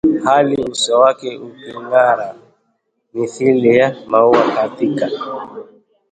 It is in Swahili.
hali uso wake uking’ara mithili ya maua katika